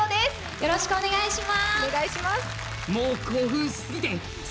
よろしくお願いします。